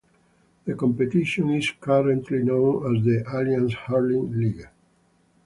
The competition is currently known as the Allianz Hurling League.